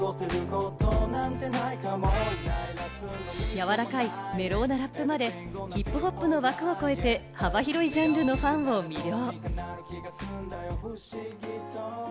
柔らかいメロウなラップまで、ＨＩＰ−ＨＯＰの枠を超えて幅広いジャンルのファンを魅了。